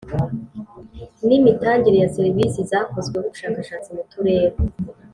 N Imitangire Ya Serivisi Zakozweho Ubushakashatsi Mu Turere